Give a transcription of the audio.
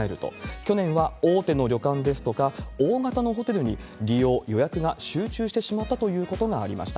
去年は大手の旅館ですとか大型のホテルに利用、予約が集中してしまったということがありました。